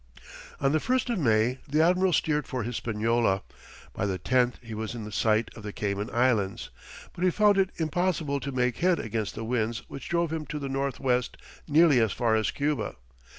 On the 1st of May the admiral steered for Hispaniola; by the 10th he was in sight of the Cayman Islands, but he found it impossible to make head against the winds which drove him to the north west nearly as far as Cuba.